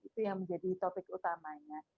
itu yang menjadi topik utamanya